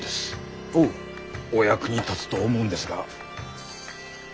お役に立つと思うんですが。